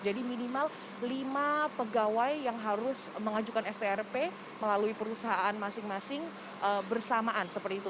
jadi minimal lima pegawai yang harus mengajukan strp melalui perusahaan masing masing bersamaan seperti itu